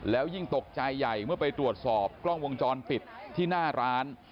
แล้วยิ่งตกใจใหญ่เมื่อไปตรวจสอบกล้องวงจรปิดที่หน้าร้าน